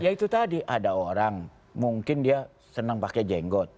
ya itu tadi ada orang mungkin dia senang pakai jenggot